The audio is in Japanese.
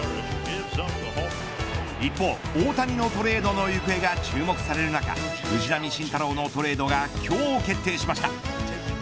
一方、大谷のトレードの行方が注目される中藤浪晋太郎のトレードが今日決定しました。